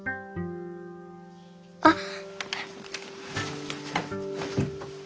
あっ。